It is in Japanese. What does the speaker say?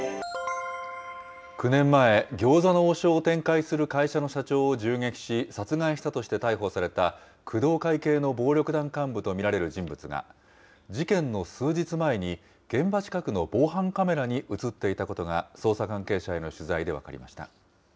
９年前、餃子の王将を展開する会社の社長を銃撃し、殺害したとして逮捕された工藤会系の暴力団幹部と見られる人物が、事件の数日前に、現場近くの防犯カメラに写っていたことが捜査関係者への取材で分かりました。